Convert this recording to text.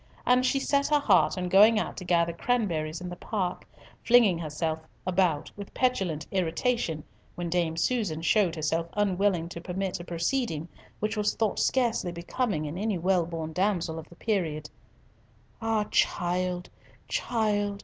And she set her heart on going out to gather cranberries in the park, flinging herself about with petulant irritation when Dame Susan showed herself unwilling to permit a proceeding which was thought scarcely becoming in any well born damsel of the period. "Ah, child, child!